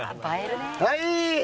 はい！